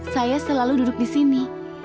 saya selalu duduk di sini